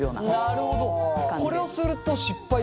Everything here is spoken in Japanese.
なるほどね。